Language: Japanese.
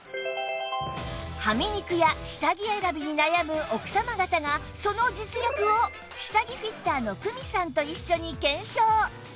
はみ肉や下着選びに悩む奥様方がその実力を下着フィッターの ＫＵＭＩ さんと一緒に検証